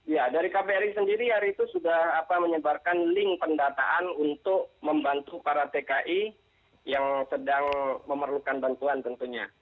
ya dari kbri sendiri hari itu sudah menyebarkan link pendataan untuk membantu para tki yang sedang memerlukan bantuan tentunya